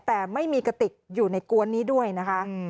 แต่ไม่มีกระติกอยู่ในกวนนี้ด้วยนะคะ